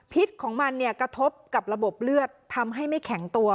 ของมันเนี่ยกระทบกับระบบเลือดทำให้ไม่แข็งตัว